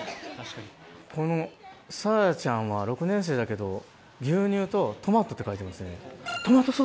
このさあやちゃんは６年生だけど牛乳とトマトって書いてますね。